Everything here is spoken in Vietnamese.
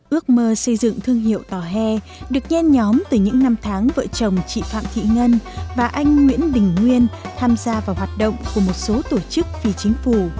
ước mơ xây dựng thương hiệu tòa hè được nhen nhóm từ những năm tháng vợ chồng chị phạm thị ngân và anh nguyễn đình nguyên tham gia vào hoạt động của một số tổ chức phi chính phủ